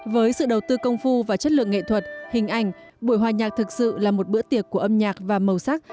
với sự đầu tư công phu và chất lượng nghệ thuật hình ảnh buổi hòa nhạc thực sự là một bữa tiệc của âm nhạc và màu sắc